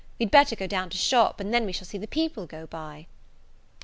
we'd better go down to shop, and then we shall see the people go by."